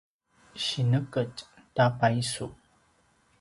sineqetj ta paisu